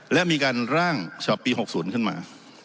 และมีการร่างชอบปีหกศูนย์ขึ้นมา